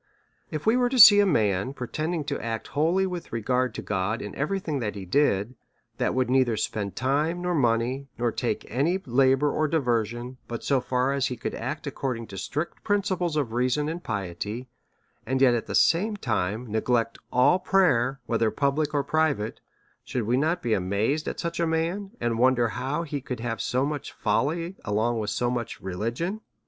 If we were to see a man pre tending to act wholly vfith regard to God in every thing that he did, that would neither spend time nor moneVj or take any labour or diverson, but so far as he could act according to strict principles of reason and piety, and yet at the same time neglect all prayer, whether public or private, should we not be amazed at such a man, and wonder how he could have so much folly along with so much religion?